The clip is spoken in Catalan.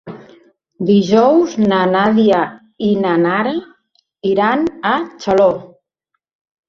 Dijous na Nàdia i na Nara iran a Xaló.